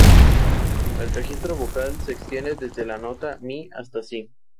El registro vocal se extiende desde la nota "mi" hasta "si".